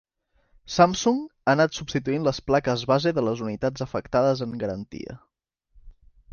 Samsung ha anat substituint les plaques base de les unitats afectades en garantia.